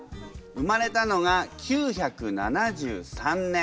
生まれたのが９７３年平安京。